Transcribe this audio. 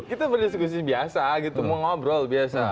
kita berdiskusi biasa gitu mau ngobrol biasa